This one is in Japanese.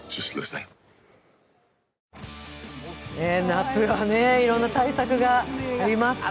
夏はいろんな大作があります。